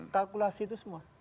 kalkulasi itu semua